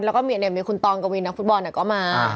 แล้วก็เหมียเด็ดมีคุณตองกะวินนักฟุตบอลก็มา